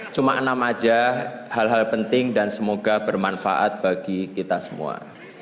cuma enam aja hal hal penting dan semoga bermanfaat bagi kita semua